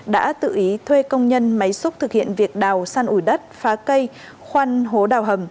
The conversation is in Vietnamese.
đã tự ý thuê công nhân máy xúc thực hiện việc đào săn ủi đất phá cây khoan hố đào hầm